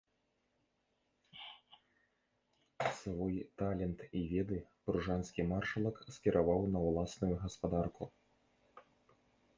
Свой талент і веды пружанскі маршалак скіраваў на ўласную гаспадарку.